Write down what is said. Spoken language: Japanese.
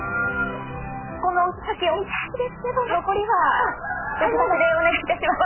この先も見たいですけど残りは、ご自宅でお願いします。